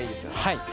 はい。